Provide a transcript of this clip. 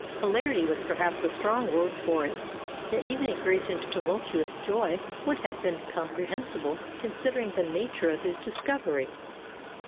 Hilarity was perhaps a strong word for it. Yet even a great and tumultuous joy would have been comprehensible considering the nature of his discovery.